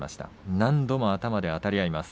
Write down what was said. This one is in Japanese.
何度も両者頭であたり合っています。